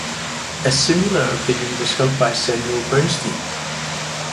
A similar opinion was held by Samuil Bernstein.